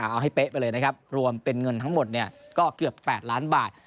เอาให้เป๊ะไปเลยนะครับรวมเป็นเงินทั้งหมดก็เกือบ๘ล้านบาท